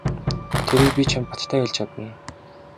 Тэрийг би чамд баттай хэлж чадна.